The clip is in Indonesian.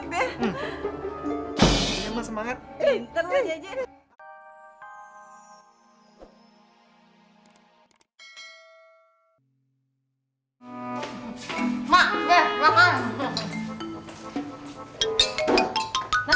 iya masih semangat